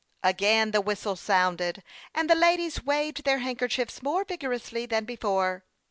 Again ^the whistle sounded, and the ladies waved their handkerchiefs more vigorously than before.